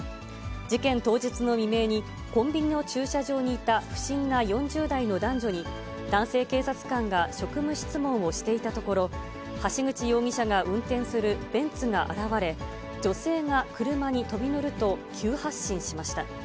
事件当日の未明に、コンビニの駐車場にいた不審な４０代の男女に、男性警察官が職務質問をしていたところ、橋口容疑者が運転するベンツが現われ、女性が車に飛び乗ると急発進しました。